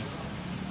dari awal memang udah